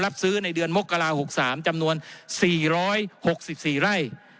รับซื้อในเดือนมกรา๖๓จำนวน๔๖๔ไร่